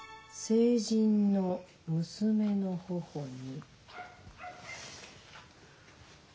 「成人の娘の頬に」。